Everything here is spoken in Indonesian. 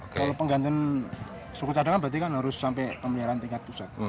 kalau penggantian suku cadangan berarti kan harus sampai pemeliharaan tingkat pusat